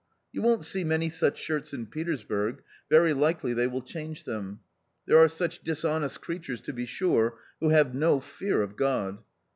You won't see many such shirts in Petersburg, very likely they will change them ; there are such dishonest creatures to be sure, who have no fear of God.